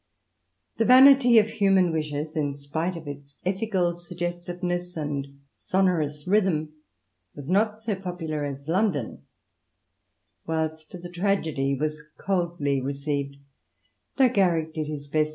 The "Vanity of Human Wishes," in spite of its ethical suggestiveness and sonorous rhythm, was not so popular as "London;" whilst the tragedy was coldly received, though Garrick did his best INTRODUCTION.